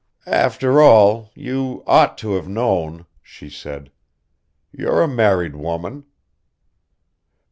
"After all, you ought to have known," she said. "You're a married woman."